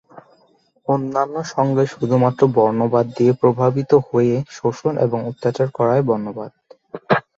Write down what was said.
অন্যান্য সংজ্ঞায় শুধুমাত্র বর্ণবাদ দিয়ে প্রভাবিত হয়ে শোষণ এবং অত্যাচার করাই বর্ণবাদ।